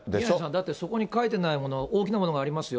だってそこに書いてないもの、大きなものがありますよ。